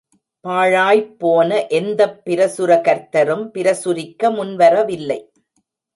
பாழாய்ப் போன எந்தப் பிரசுரகர்த்தரும் பிரசுரிக்க முன்வரவில்லை.